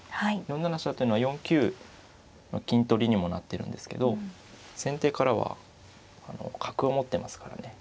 ４七飛車というのは４九の金取りにもなってるんですけど先手からは角を持ってますからね